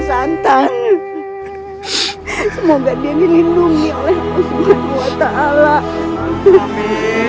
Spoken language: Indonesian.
semoga dia dilindungi oleh allah swt